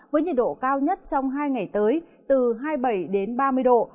với nhiệt độ cao nhất trong hai ngày tới từ hai mươi bảy đến ba mươi độ